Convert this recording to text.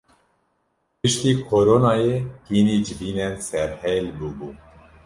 Piştî koronayê hînî civînên serhêl bûbû.